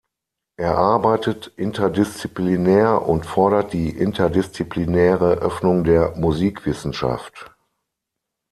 Er arbeitet interdisziplinär und fordert die interdisziplinäre Öffnung der Musikwissenschaft.